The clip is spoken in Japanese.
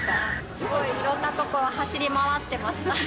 すごいいろんな所を走り回ってました。